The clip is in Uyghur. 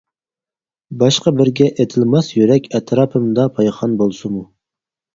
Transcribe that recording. باشقا بىرگە ئېتىلماس يۈرەك، ئەتراپىمدا پايخان بولسىمۇ.